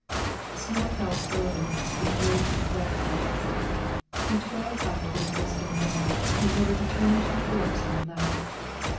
Snow fell slowly, in great, wet flakes; he toiled up over the coasting hill, in order to turn into the forest on the left.